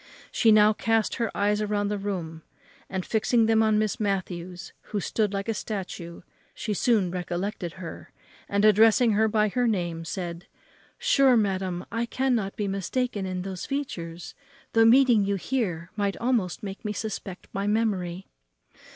She now cast her eyes round the room, and, fixing them on Miss Matthews, who stood like a statue, she soon recollected her, and, addressing her by her name, said, "Sure, madam, I cannot be mistaken in those features; though meeting you here might almost make me suspect my memory."